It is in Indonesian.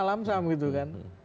lamsam gitu kan